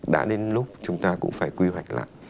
đã đến lúc chúng ta cũng phải quy hoạch lại